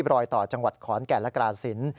รอยต่อจังหวัดขอนแก่นและกราศิลป์